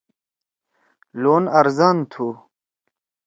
لون آرزان تُھو۔